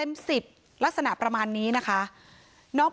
เป็นเด็กที่มีพัฒนาการช้าแต่ว่าเป็นเด็กที่มีความรับผิดชอบ